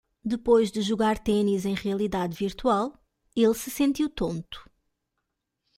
Depois de jogar tênis em realidade virtual? ele se sentiu tonto.